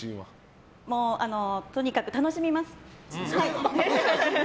もう、とにかく楽しみます。